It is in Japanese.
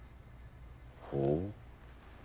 ほう。